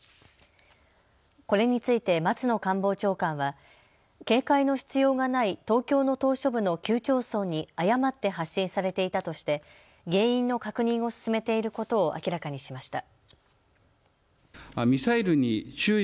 これについて松野官房長官は警戒の必要がない東京の島しょ部の９町村に誤って発信されていたとして原因の確認を進めていることを明らかにしました。